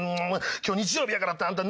今日日曜日やからってあんた